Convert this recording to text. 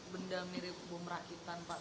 benda mirip bom rakitan pak